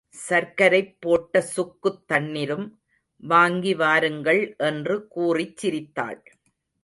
சர்க்கரைப் போட்ட சுக்குத் தண்ணிரும் வாங்கி வாருங்கள் என்று கூறிச் சிரித்தாள்.